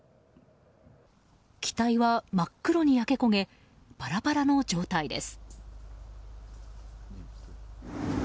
機体は真っ黒に焼け焦げバラバラの状態です。